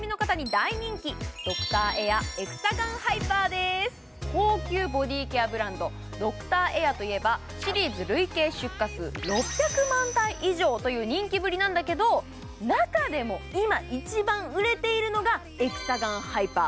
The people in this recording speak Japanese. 大人気、ドクターエアエクサガンハイパーです高級ボディーケアブランド、ドクターエアといえば、シリーズ累計出荷数６００万台以上という人気ぶりなんだけど、中でも今一番売れているのがエクサガンハイパー。